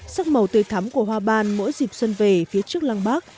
sắc màu tươi thắm của hoa ban mỗi dịp xuân về phía trước lăng bác